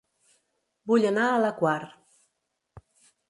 Vull anar a La Quar